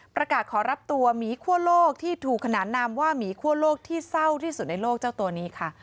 ประกาศขอรับตัวหมีคั่วโลกที่ถูกขนานนามว่าหมีคั่วโลกที่เศร้าที่สุดในโลกเจ้าตัวนี้ค่ะ